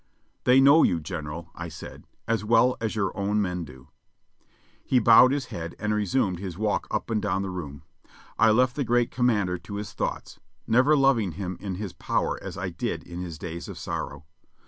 "They know you, General," I said, "as well as your own men do/' He bowed his head and resumed his walk up and down the room. I left the great commander to his thoughts, never lov ing him in his power as I did in his days of sorrow.